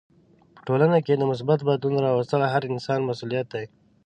په ټولنه کې د مثبت بدلون راوستل هر انسان مسولیت دی.